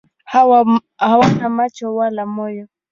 Hawana macho wala moyo.